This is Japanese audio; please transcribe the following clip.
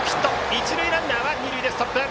一塁ランナーは二塁でストップ。